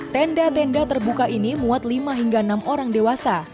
tenda tenda terbuka ini muat lima hingga enam orang dewasa